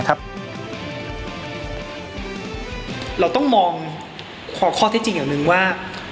เราต้องมองข้อเท็จจริงอย่างหนึ่งว่า